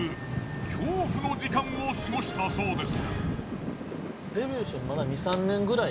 恐怖の時間を過ごしたそうです。